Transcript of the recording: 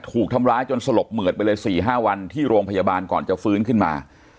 ถูกทำร้ายจนสลบเหมือดไปเลย๔๕วันที่โรงพยาบาลก่อนจะฟื้นขึ้นมา